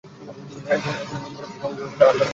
এরা অন্য সকল সৃষ্টির মতই আল্লাহর আরেক সৃষ্টি।